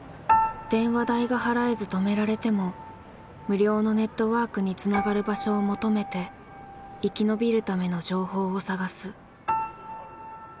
電話代が払えず止められても無料のネットワークにつながる場所を求めて生き延びるための情報を探す。